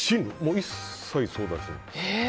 一切、相談してないです。